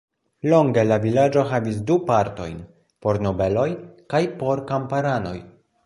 Longe la vilaĝo havis du partojn, por nobeloj kaj por kamparanoj.